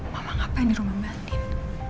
mama ngapain di rumah andin